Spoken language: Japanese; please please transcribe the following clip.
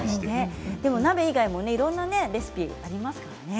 鍋以外にも、いろいろなレシピがありますからね。